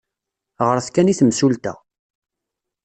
Ɣret kan i temsulta.